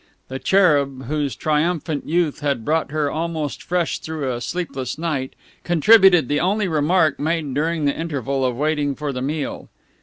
The Cherub, whose triumphant youth had brought her almost fresh through a sleepless night, contributed the only remark made during the interval of waiting for the meal.